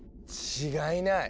違いない！